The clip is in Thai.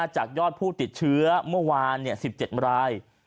จากยอดผู้ติดเชื้อเมื่อวาน๑๗ราย